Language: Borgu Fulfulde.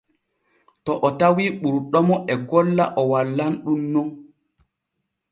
To o tawii ɓurɗomo e golla o wallan ɗun non.